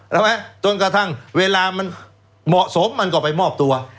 แล้วไหมจนกระทั่งเวลามันเหมาะสมมันก็ไปมอบตัว